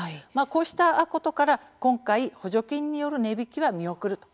こうしたことから今回補助金による値引きは見送ると。